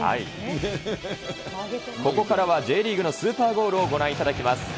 ここからはＪリーグのスーパーゴールをご覧いただきます。